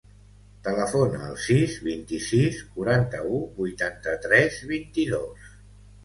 Telefona al sis, vint-i-sis, quaranta-u, vuitanta-tres, vint-i-dos.